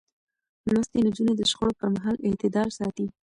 لوستې نجونې د شخړو پر مهال اعتدال ساتي.